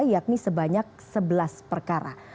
yakni sebanyak sebelas perkara